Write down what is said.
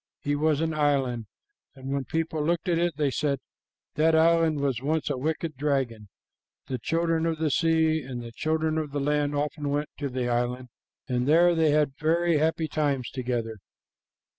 He was an island, and when people looked at it, they said, 'That island was once a wicked dragon.' The children of the sea and the children of the land often went to the island, and there they had very happy times together."